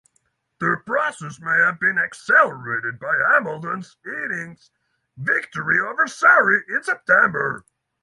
The process may have been accelerated by Hambledon's innings victory over Surrey in September.